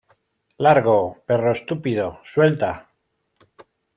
¡ Largo, perro estúpido! ¡ suelta !